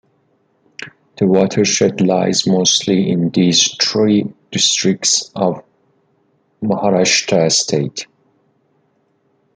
The watershed lies mostly in these three districts of Maharashtra state.